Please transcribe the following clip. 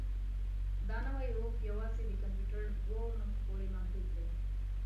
دا نوي هوښ یوازې د کمپیوټر دوو نښو پورې محدود دی.